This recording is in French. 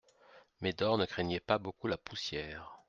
Médor ne craignait pas beaucoup la poussière.